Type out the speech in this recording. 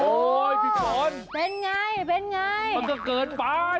โอ้ยพี่ฝนเป็นไงมันก็เกินไป